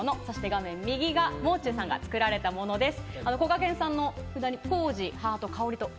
画面左が、もう中さんが作られたものです。